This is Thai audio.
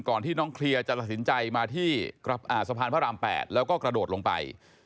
ที่น้องเคลียร์จะตัดสินใจมาที่สะพานพระราม๘แล้วก็กระโดดลงไป